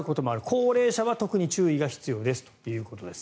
高齢者は特に注意が必要ですということです。